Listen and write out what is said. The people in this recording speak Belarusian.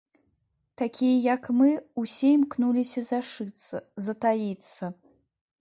Такія, як мы, усё імкнуліся зашыцца, затаіцца.